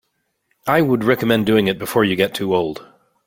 I would recommend doing it before you get too old.